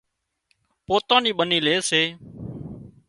پوتان نِي ٻنِي لي سي